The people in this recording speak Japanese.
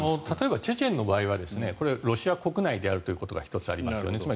例えばチェチェンの場合はロシア国内であるということが１つありますね。